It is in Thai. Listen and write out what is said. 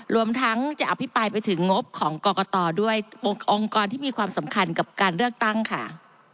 รวมทั้งจะอภิปรายไปถึงงบของกรกตด้วยองค์กรที่มีความสำคัญกับการเลือกตั้งค่ะ